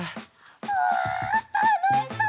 うわたのしそう！